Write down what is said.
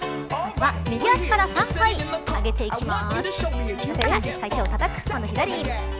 右足から３回上げていきます。